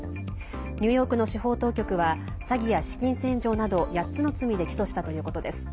ニューヨークの司法当局は詐欺や資金洗浄など８つの罪で起訴したということです。